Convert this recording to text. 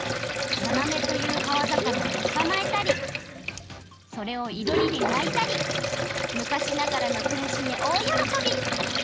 ヤマメというかわざかなをつかまえたりそれをいろりでやいたり昔ながらのくらしにおおよろこび！